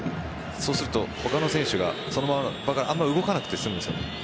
そうすると他の選手がそのままあまり動かなくて済むんです。